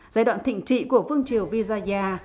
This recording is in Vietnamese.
giai đoạn thịnh trị của vương triều visaya